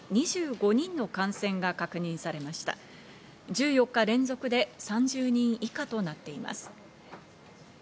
１４日連続で３０人以下となっています。